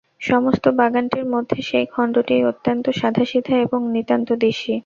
সমস্ত বাগানটির মধ্যে সেই খণ্ডটিই অত্যন্ত সাদাসিধা এবং নিতান্ত দিশি।